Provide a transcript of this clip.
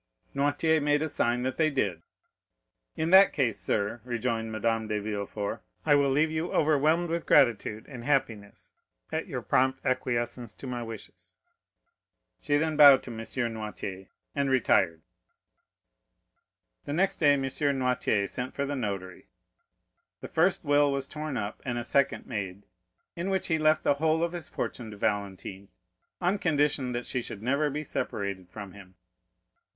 Noirtier made a sign that they did. "In that case, sir," rejoined Madame de Villefort, "I will leave you overwhelmed with gratitude and happiness at your prompt acquiescence to my wishes." She then bowed to M. Noirtier and retired. The next day M. Noirtier sent for the notary; the first will was torn up and a second made, in which he left the whole of his fortune to Valentine, on condition that she should never be separated from him.